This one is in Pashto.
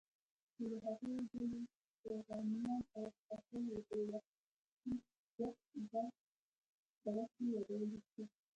چې له هغې ډلې چغانيان او خوتل د وخش دره کې يادولی شو.